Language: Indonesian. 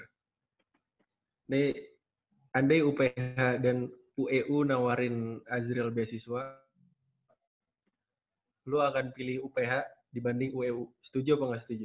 ini andai uph dan ueu nawarin azril beasiswa lo akan pilih uph dibanding ueu setuju apa nggak setuju